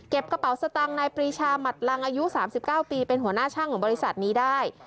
กระเป๋าสตางค์นายปรีชาหมัดลังอายุ๓๙ปีเป็นหัวหน้าช่างของบริษัทนี้ได้